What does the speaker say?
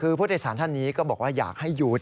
คือผู้โดยสารท่านนี้ก็บอกว่าอยากให้หยุด